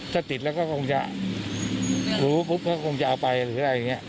ถ้าติดแล้วก็คงจะรู้ปุ๊บก็คงจะเอาไปหรืออะไรอย่างนี้